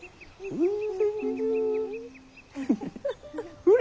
うん。